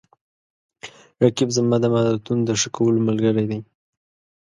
رقیب زما د مهارتونو د ښه کولو ملګری دی